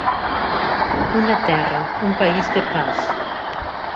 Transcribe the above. Una terra, un país de pas.